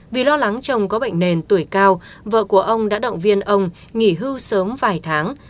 vì lo lắng chồng có bệnh nền tuổi cao vợ của ông đã động viên ông nghỉ hưu sớm vài tháng